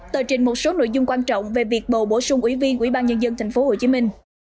tờ trình một số nội dung quan trọng về việc bầu bổ sung ủy viên ủy ban nhân dân tp hcm